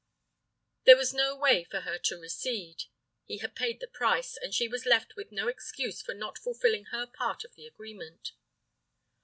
There was no way for her to recede. He had paid the price, and she was left with no excuse for not fulfilling her part of the agreement.